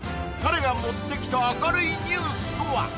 彼が持ってきた明るいニュースとは！？